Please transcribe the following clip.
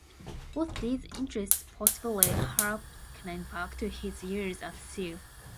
Both these interests possibly hearkened back to his years at sea.